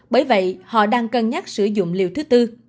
bởi vậy họ đang cân nhắc sử dụng liều thứ tư